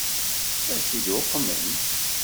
Ad tt-id-uqmen?